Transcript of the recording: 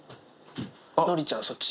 のりちゃん、そっち。